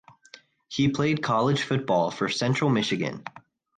He played college football for Central Michigan.